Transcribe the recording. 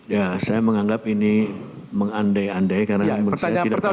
ya saya menganggap ini mengandai andai karena menurut saya tidak percaya